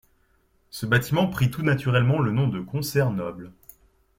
Ce bâtiment prit tout naturellement le nom de Concert Noble.